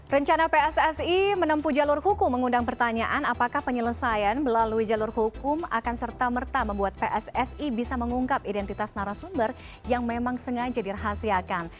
rencana pssi menempuh jalur hukum mengundang pertanyaan apakah penyelesaian melalui jalur hukum akan serta merta membuat pssi bisa mengungkap identitas narasumber yang memang sengaja dirahasiakan